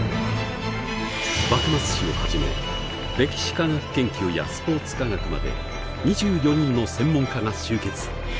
幕末史を始め歴史科学研究やスポーツ科学まで２４人の専門家が集結。